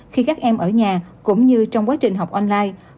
khi các em ở nhà cũng như trong quá trình học online